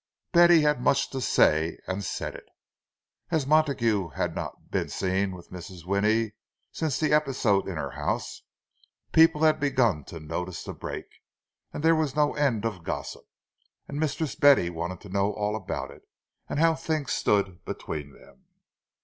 Betty had much to say, and said it. As Montague had not been seen with Mrs. Winnie since the episode in her house, people had begun to notice the break, and there was no end of gossip; and Mistress Betty wanted to know all about it, and how things stood between them.